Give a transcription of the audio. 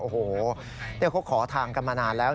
โอ้โหเขาขอทางกันมานานแล้ว